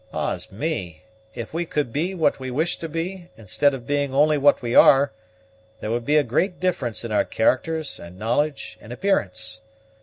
Ah's me! if we could be what we wish to be, instead of being only what we are, there would be a great difference in our characters and knowledge and appearance.